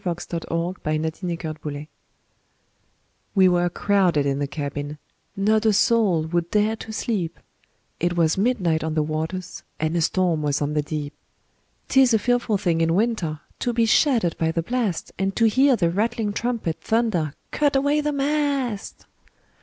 W X . Y Z Ballad of the Tempest WE were crowded in the cabin, Not a soul would dare to sleep, It was midnight on the waters, And a storm was on the deep. 'Tis a fearful thing in winter To be shattered by the blast, And to hear the rattling trumpet Thunder, "Cut away the mast!"